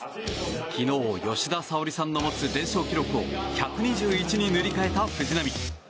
昨日、吉田沙保里さんの持つ連勝記録を１２１に塗り替えた藤波。